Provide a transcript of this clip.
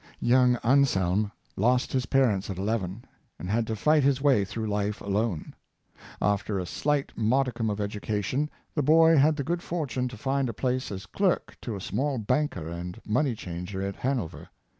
Young Anslem lost his parents at eleven, and had to fight his way through life alone. After a slight modicum of education, the boy had the good fortune to find a place as clerk to a small banker and money changer at Hanover.